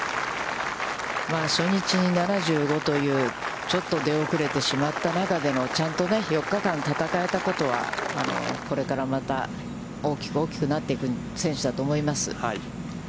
初日に７５というちょっと出おくれてしまった中でも、ちゃんと４日間戦えたことは、これからまた、大きく大きくなっていく選手だと思います。